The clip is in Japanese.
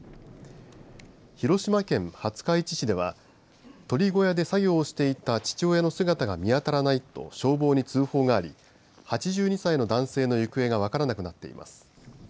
広島県廿日市市では鳥小屋で作業をしていた父親の姿が見当たらないと消防に通報があり８２歳の男性の行方が分からなくなっています。